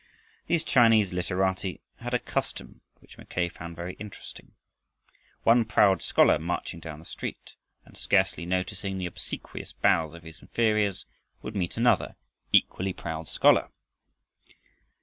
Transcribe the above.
These Chinese literati had a custom which Mackay found very interesting. One proud scholar marching down the street and scarcely noticing the obsequious bows of his inferiors, would meet another equally proud scholar.